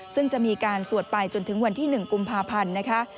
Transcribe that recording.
ซึ่งจะมีการสวดไปจนถึงวันที่๑กุมภาพันธ์นะคะ